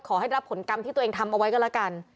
ขอให้รับผลกรรมที่ตัวเองทำเอาไว้ก็แล้วกัน